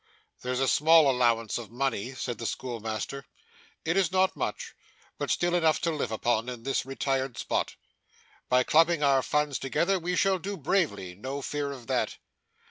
'There's a small allowance of money,' said the schoolmaster. 'It is not much, but still enough to live upon in this retired spot. By clubbing our funds together, we shall do bravely; no fear of that.